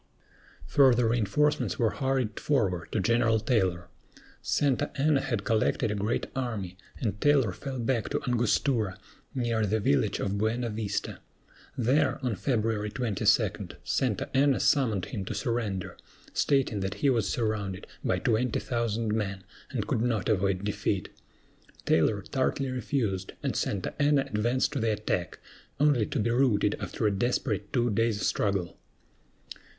Further reinforcements were hurried forward to General Taylor. Santa Anna had collected a great army, and Taylor fell back to Angostura, near the village of Buena Vista. There, on February 22, Santa Anna summoned him to surrender, stating that he was surrounded by twenty thousand men and could not avoid defeat. Taylor tartly refused, and Santa Anna advanced to the attack, only to be routed after a desperate two days' struggle.